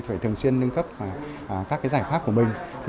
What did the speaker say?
phải thường xuyên nâng cấp các giải pháp của mình